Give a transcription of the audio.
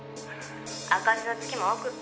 赤字の月も多くって」